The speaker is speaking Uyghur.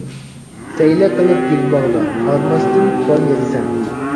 سەيلە قىلىپ گۈلباغدا، ھارماستىن بال يىغىسەن.